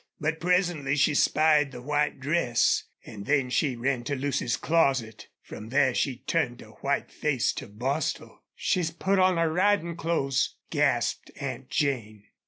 But presently she spied the white dress, and then she ran to Lucy's closet. From there she turned a white face to Bostil. "She put on her riding clothes!" gasped Aunt Jane.